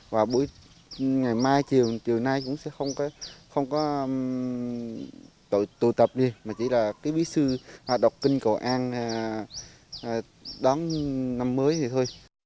và buổi ngày mai chiều nay cũng sẽ không có tụ tập gì mà chỉ là cái bí sư đọc kinh cầu an đón năm mới thì thôi